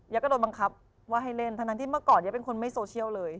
ก็โดนบังคับว่าให้เล่นทั้งที่เมื่อก่อนยะเป็นคนไม่โซเชียลเลย